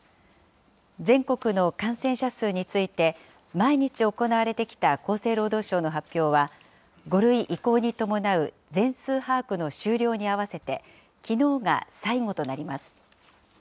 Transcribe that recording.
全国の感染者数について、毎日行われてきた厚生労働省の発表は、５類移行に伴う全数把握の終了に合わせて、きのうが最後となります。